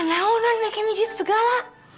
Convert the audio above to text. nggak mau non makan mie gitu segala